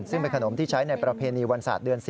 ซึ่งเป็นขนมที่ใช้ในประเพณีวันศาสตร์เดือน๔